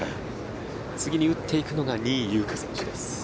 次に打っていくのが仁井優花選手です。